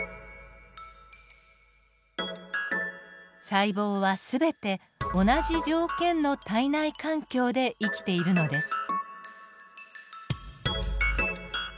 細胞は全て同じ条件の体内環境で生きているのです。